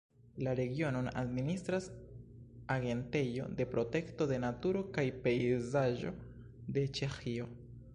La regionon administras Agentejo de protekto de naturo kaj pejzaĝo de Ĉeĥio.